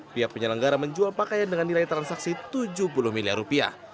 pihak penyelenggara menjual pakaian dengan nilai transaksi tujuh puluh miliar rupiah